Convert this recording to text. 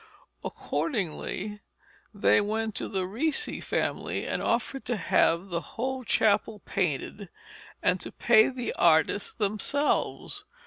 Accordingly they went to the Ricci family and offered to have the whole chapel painted and to pay the artist themselves.